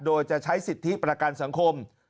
โดยจะใช้สิทธิประกันสังคม